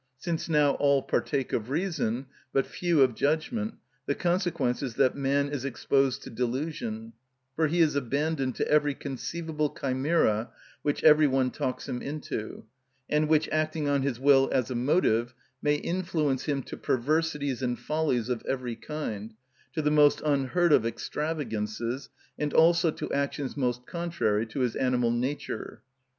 Since now all partake of reason, but few of judgment, the consequence is that man is exposed to delusion, for he is abandoned to every conceivable chimera which any one talks him into, and which, acting on his will as a motive, may influence him to perversities and follies of every kind, to the most unheard of extravagances, and also to actions most contrary to his animal nature.